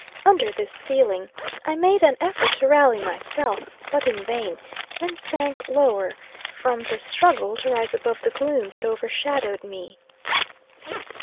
Under this feeling, I made an effort to rally myself, but in vain and sank lower from the struggle to rise above the gloom that overshadowed me.